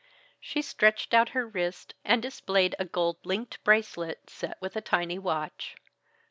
She stretched out her wrist and displayed a gold linked bracelet set with a tiny watch.